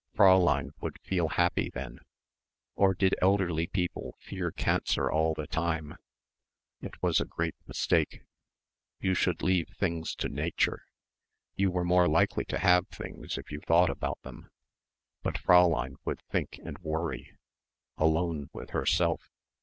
Fräulein would feel happy then ... or did elderly people fear cancer all the time.... It was a great mistake. You should leave things to Nature.... You were more likely to have things if you thought about them. But Fräulein would think and worry ... alone with herself